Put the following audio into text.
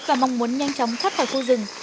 và mong muốn nhanh chóng thắt khỏi khu rừng